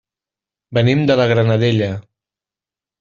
Venim de la Granadella.